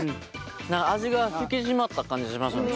味が引き締まった感じしますねちょっとね。